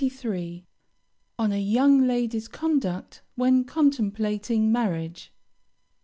ON A YOUNG LADY'S CONDUCT WHEN CONTEMPLATING MARRIAGE.